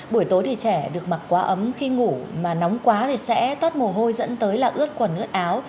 buổi tối thì trẻ được mặc quá ấm khi ngủ mà nóng quá thì sẽ toát mồ hôi dẫn tới là ướt quần ướt áo